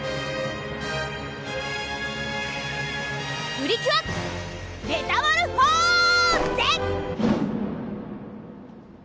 プリキュアメタモルフォーゼ！